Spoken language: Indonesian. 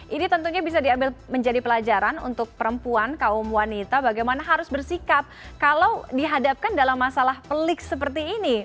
ini tentunya bisa diambil menjadi pelajaran untuk perempuan kaum wanita bagaimana harus bersikap kalau dihadapkan dalam masalah pelik seperti ini